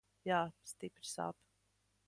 Jā, stipri sāp.